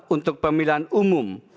untuk pemilihan umum